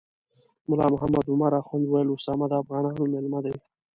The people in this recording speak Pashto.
ملا محمد عمر اخند ویل اسامه د افغانانو میلمه دی.